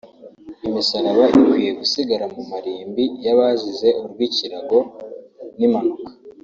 Imisaraba ikwiye gusigara mu marimbi y’abazize urw’ikirago n’impanuka